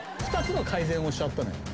２つの改善をしちゃったのよ